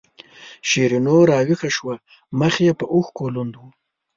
شیرینو راویښه شوه مخ یې په اوښکو لوند و.